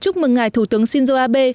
chúc mừng ngài thủ tướng shinzo abe